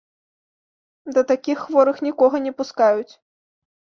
Да такіх хворых нікога не пускаюць.